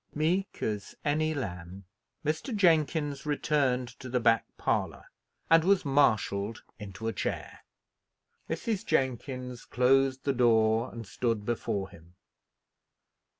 Meek as any lamb, Mr. Jenkins returned to the back parlour, and was marshalled into a chair. Mrs. Jenkins closed the door and stood before him.